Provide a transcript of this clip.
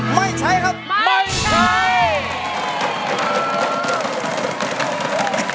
ไม่ใช้ครับไม่ใช้